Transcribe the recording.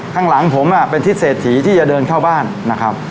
ข้างหลังผมเป็นทิศเศรษฐีที่จะเดินเข้าบ้านนะครับ